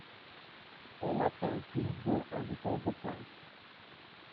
Elle atteint plus de en vitesse de pointe.